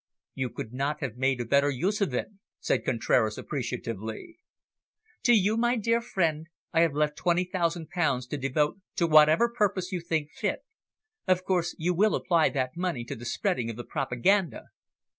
"You could not have made a better use of it," said Contraras appreciatively. "To you, my dear friend, I have left twenty thousand pounds to devote to whatever purpose you think fit. Of course you will apply that money to the spreading of the propaganda."